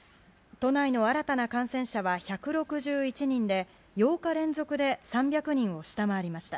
都内の新たな感染者は１６１人で８日連続で３００人を下回りました。